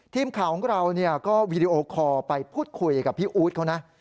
ทีมข่าวของเราก็วีดีโอคอลไปพูดคุยกับพี่อู๊ดเขานะ